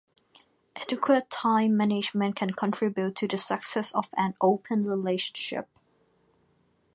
Adequate time management can contribute to the success of an open relationship.